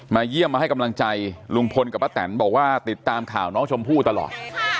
เยี่ยมมาให้กำลังใจลุงพลกับป้าแตนบอกว่าติดตามข่าวน้องชมพู่ตลอด